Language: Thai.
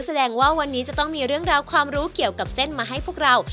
แสดงว่าวันนี้จะต้องมีเรื่องราวความรู้เกี่ยวกับเส้นมาให้พวกเรา